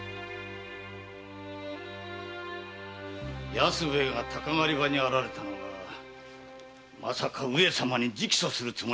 安兵衛が鷹狩り場に現れたのはまさか上様に直訴するつもりだったのでは？